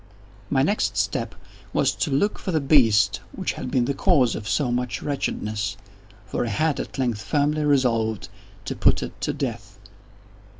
My next step was to look for the beast which had been the cause of so much wretchedness; for I had, at length, firmly resolved to put it to death.